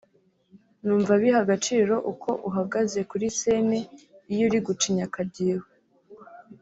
Numva biha agaciro uko uhagaze kuri scene iyo uri gucinya akadiho